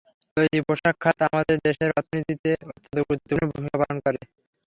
তৈরি পোশাক খাত আমাদের দেশের অর্থনীতিতে অত্যন্ত গুরুত্বপূর্ণ ভূমিকা পালন করে থাকে।